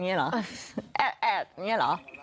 นี่หรือแอ๊ะนี่หรือ